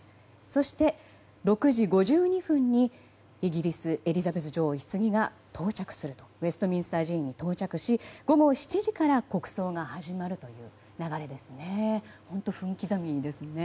そして、６時５２分にイギリスエリザベス女王のひつぎがウェストミンスター寺院に到着し午後７時から国葬が始まるという流れですね。